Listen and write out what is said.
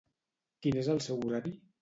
Quin és el seu horari?